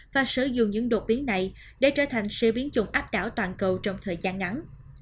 và sử dụng những đột biến này để trở thành xe biến chủng áp đảo toàn cầu trong thời gian ngắn